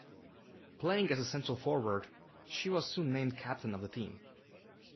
Playing as a central forward, she was soon named captain of the team.